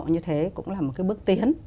những cái mức độ như thế cũng là một cái bước tiến